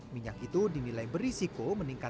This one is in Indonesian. tidak pursatu dipanggil misi yang pneumonia